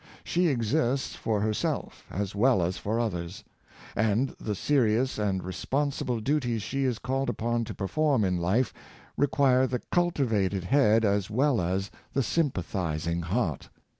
She exists for herself as well as for others; and the serious and responsible duties she is called upon to per form in life require the cultivated head as well as the sympathizing heart.